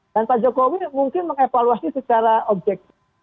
dan pak jokowi mungkin mengevaluasi secara objektif